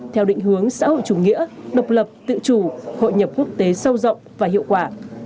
theo định hướng xã hội chủ nghĩa độc lập tự chủ hội nhập quốc tế sâu rộng và hiệu quả